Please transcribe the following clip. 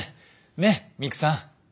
ねっミクさん？